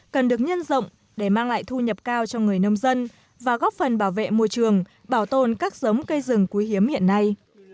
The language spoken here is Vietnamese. cần được nhân rộng để mang lại thu nhập cao cho người nông dân và góp phần bảo vệ môi trường bảo tồn các giống cây rừng quý hiếm hiện nay